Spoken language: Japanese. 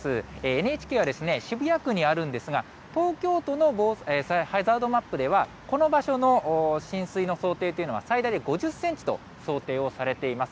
ＮＨＫは、渋谷区にあるんですが、東京都のハザードマップでは、この場所の浸水の想定というのは最大で５０センチと想定をされています。